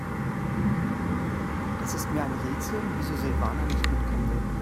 Es ist mir ein Rätsel, wieso Silvana nicht mitkommen will.